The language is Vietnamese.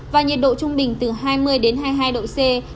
và nhiệt độ trung bình từ hai mươi đến hai mươi hai độ c